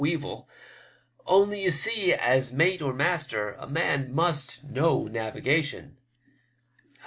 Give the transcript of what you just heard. Weevil ; only, you see, as mate or master a man must know navigation."